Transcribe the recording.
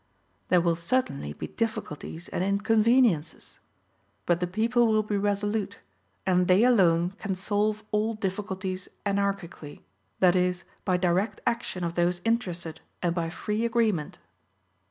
There will certainly be difficulties and inconveniences; but the people will be resolute; and they alone can solve all difficulties Anarchically, that is, by direct action of those interested and by free agreement.